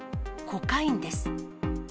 コカインです。